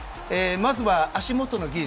まずは、足元の技術。